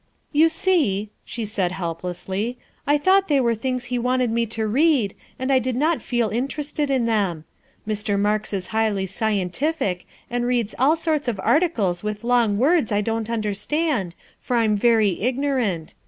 '' You see, '' she said helplessly, '' I thought they were things he wanted me to read, and I did not feel inter ested in them. Mr. Marks is highly scientific and reads all sorts of articles with long words I don't understand, for I'm very ignorant.